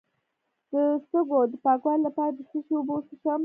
د سږو د پاکوالي لپاره د څه شي اوبه وڅښم؟